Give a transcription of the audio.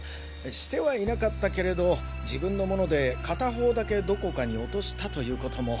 してはいなかったけれど自分のもので片方だけどこかに落としたということも。